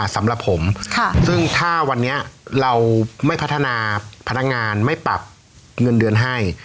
สำหรับผมซึ่งถ้าวันนี้เราไม่พัฒนาพนักงานไม่ปรับเงินเดือนให้